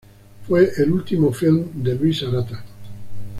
Fue el último filme de Luis Arata.